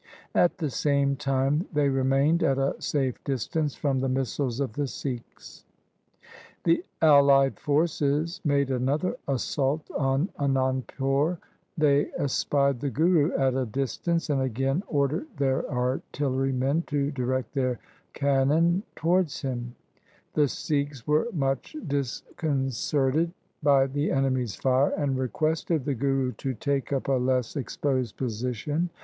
At the same time they remained at a safe distance from the missiles of the Sikhs. The allied forces made another assault on Anand pur. They espied the Guru at a distance and again ordered their artillerymen to direct their cannon LIFE OF GURU GOBIND SINGH 171 towards him. The Sikhs were much disconcerted by the enemy's fire, and requested the Guru to take up a less exposed position.